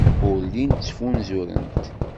Ur llint ttfunzurent.